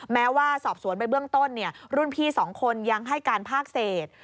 แม้ว่าสอบสวนไปเบื้องต้นรุ่นพี่๒คนยังให้การภาคเศษ